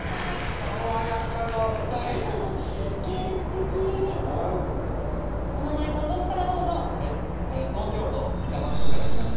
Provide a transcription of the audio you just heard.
爽やかなお２人すてきすてきお名前とお歳からどうぞはい東京都板橋区から来ました